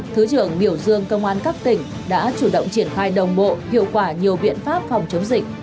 thứ trưởng biểu dương công an các tỉnh đã chủ động triển khai đồng bộ hiệu quả nhiều biện pháp phòng chống dịch